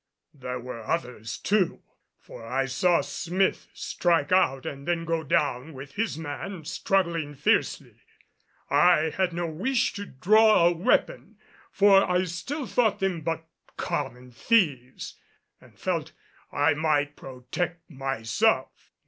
There were others too, for I saw Smith strike out and then go down with his man, struggling fiercely. I had no wish to draw a weapon, for I still thought them but common thieves and felt I might protect myself.